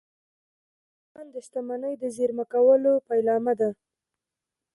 ایمان د شتمنۍ د زېرمه کولو پیلامه ده